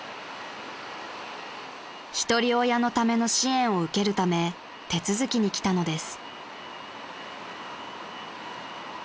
［ひとり親のための支援を受けるため手続きに来たのです］